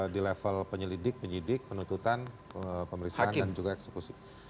di level penyelidik penyidik penuntutan pemeriksaan dan juga eksekusi